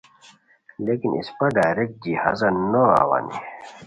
لیکن اسپہ ڈائیرکٹ جہازا نو اوانی